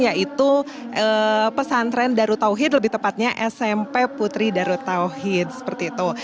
yaitu pesantren darut tauhid lebih tepatnya smp putri darut tauhid seperti itu